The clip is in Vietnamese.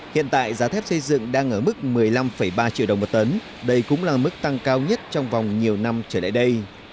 hiện tại giá thép xây dựng đang ở mức một mươi năm ba triệu đồng một tấn đây cũng là mức tăng cao nhất trong vòng nhiều năm trở lại đây